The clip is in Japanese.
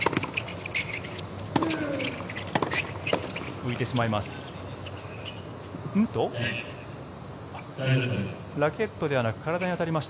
浮いてしまいます。